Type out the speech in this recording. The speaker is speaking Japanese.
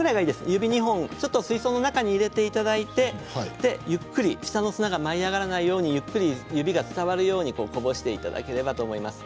指２本、水槽の中に入れていただいてゆっくり下の砂が舞い上がらないように指に伝わるようにこぼしていただければと思います。